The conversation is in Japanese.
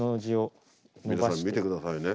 皆さん見て下さいね。